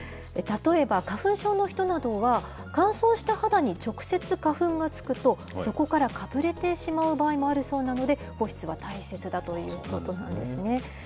例えば、花粉症の人などは、乾燥した肌に直接花粉がつくと、そこからかぶれてしまう場合もあるそうなので、保湿は大切だということなんですね。